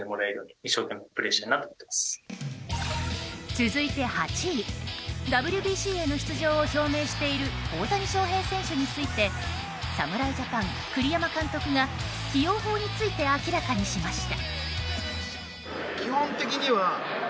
続いて８位、ＷＢＣへの出場を表明している大谷翔平選手について侍ジャパン栗山監督が起用法について明らかにしました。